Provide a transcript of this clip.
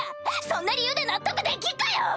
そんな理由で納得できっかよ！